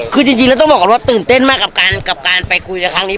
คือจริงแล้วต้องบอกก่อนว่าตื่นเต้นมากกับการไปคุยในครั้งนี้